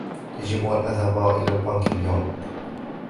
يجب أن أذهب إلى البنك اليوم.